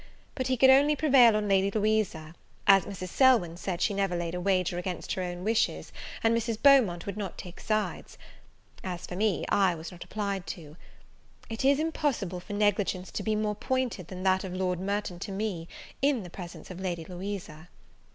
But he could only prevail on Lady Louisa, as Mrs. Selwyn said she never laid a wager against her own wishes, and Mrs. Beaumont would not take sides. As for me, I was not applied to. It is impossible for negligence to be more pointed than that of Lord Merton to me, in the presence of Lady Louisa.